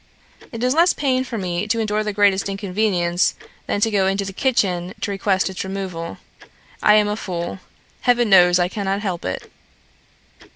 It is less pain for me to endure the greatest inconvenience than to go into the kitchen to request its removal. I am a fool. Heaven knows I cannot help it!